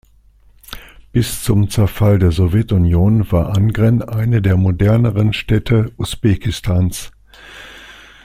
Bis zum Zerfall der Sowjetunion war Angren eine der moderneren Städte Usbekistans.